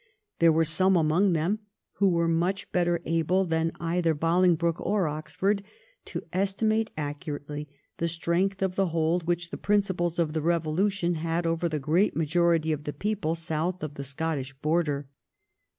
There were some among them who were much better able than either Bolingbroke or Oxford, to estimate accurately the strength of the hold which the principles of the Revolution had over the great majority of the people south of the Scottish border.